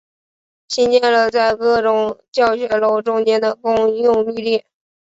兴建了在各种教学楼中间的公用绿地。